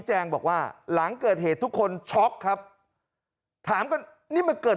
แจ้งบอกว่าหลังเกิดเหตุทุกคนช็อกครับถามกันนี่มันเกิด